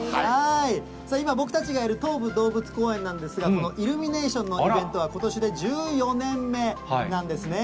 今、僕たちがいる東武動物公園なんですが、イルミネーションのイベントはことしで１４年目なんですね。